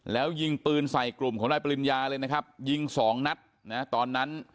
แล้วยิงปืนใส่กลุ่มของนายปริญญาเลยนะครับยิงสองนัดนะตอนนั้น